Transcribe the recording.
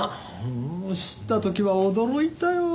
もう知った時は驚いたよ。